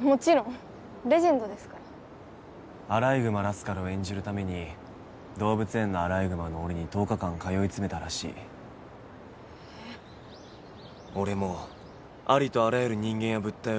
もちろんレジェンドですから「あらいぐまラスカル」を演じるために動物園のアライグマの檻に１０日間通い詰めたらしいえっ俺もありとあらゆる人間や物体を観察して